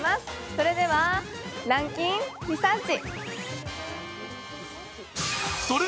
それでは「ランキンリサーチ」。